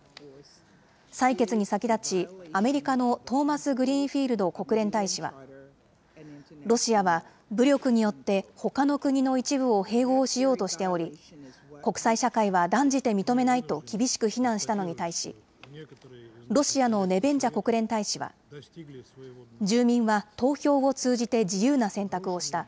採決に先立ち、アメリカのトーマスグリーンフィールド国連大使は、ロシアは武力によってほかの国の一部を併合しようとしており、国際社会は断じて認めないと厳しく非難したのに対し、ロシアのネベンジャ国連大使は、住民は投票を通じて自由な選択をした。